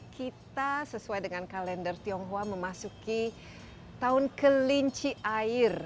kita sesuai dengan kalender tionghoa memasuki tahun kelinci air